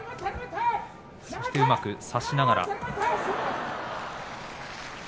そして、うまく差しながら。